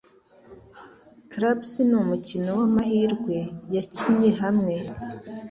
Craps ni umukino wamahirwe yakinnye hamwe.